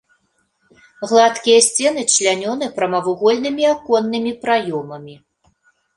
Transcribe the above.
Гладкія сцены члянёны прамавугольнымі аконнымі праёмамі.